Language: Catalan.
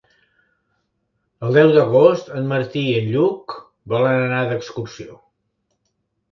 El deu d'agost en Martí i en Lluc volen anar d'excursió.